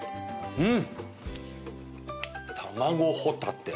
うん。